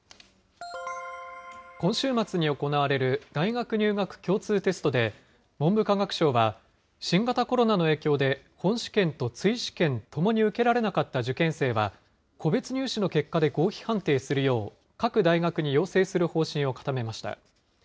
今週末に行われる大学入学共通テストで、文部科学省は、新型コロナの影響で本試験と追試験ともに受けられなかった受験生は、個別入試の結果で合否判定するよう各大学に要請する方針を固めました。